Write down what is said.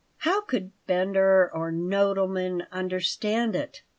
How could Bender or Nodelman understand it?